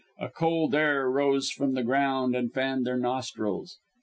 A cold air then rose from the ground and fanned their nostrils.